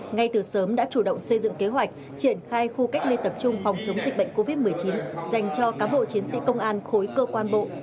ngay từ sớm đã chủ động xây dựng kế hoạch triển khai khu cách ly tập trung phòng chống dịch bệnh covid một mươi chín dành cho cám bộ chiến sĩ công an khối cơ quan bộ